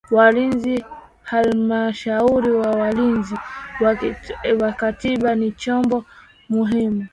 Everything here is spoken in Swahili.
walinzi Halmashauri ya Walinzi wa Katiba ni chombo muhimu